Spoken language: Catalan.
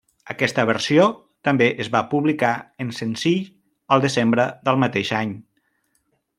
Aquesta versió també es va publicar en senzill el desembre del mateix any.